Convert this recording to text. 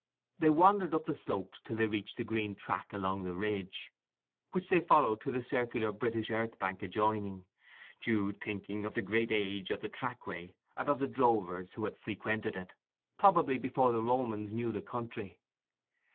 They wandered up the slopes till they reached the green track along the ridge, which they followed to the circular British earth bank adjoining, Jude thinking of the great age of the trackway, and of the drovers who had frequented it, probably before the Romans knew the country.